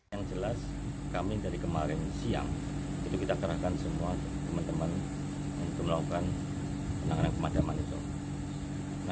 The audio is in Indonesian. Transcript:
yang jelas kami dari kemarin siang itu kita kerahkan semua teman teman untuk melakukan penanganan pemadaman itu